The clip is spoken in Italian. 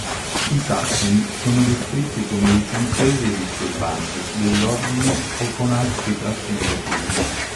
I sassoni sono descritti come licenziosi e disturbanti dell'ordine o con altri tratti negativi.